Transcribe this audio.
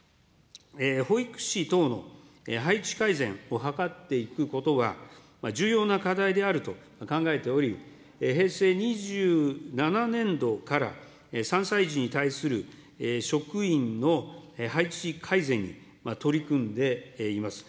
保育士等の配置改善を図っていくことは、重要な課題であると考えており、平成２７年度から、３歳児に対する職員の配置改善に取り組んでいます。